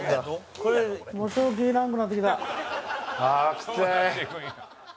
ああきつい。